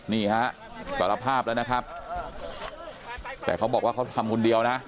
นี่ฮะสารภาพแล้วนะครับแต่เขาบอกว่าเขาทำคนเดียวนะ